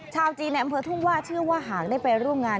ชาวจีนในอำเภอทุ่งว่าเชื่อว่าหากได้ไปร่วมงาน